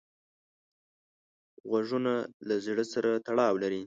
غوږونه له زړه سره تړاو لري